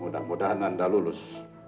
mudah mudahan anda lulus